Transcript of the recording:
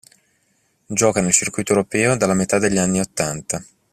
Gioca nel circuito europeo dalla metà degli anni ottanta.